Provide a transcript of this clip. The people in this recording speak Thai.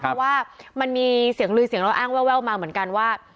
เพราะว่ามันมีเสียงลือเสียงเราอ้างแววมาเหมือนกันว่า